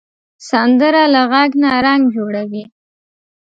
سندره له غږ نه رنګ جوړوي